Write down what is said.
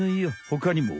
ほかにも。